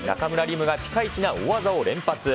夢がピカイチな大技を連発。